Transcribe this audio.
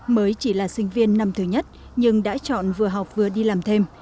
mới chỉ là sinh viên năm thứ nhất nhưng đã chọn vừa học vừa đi làm thêm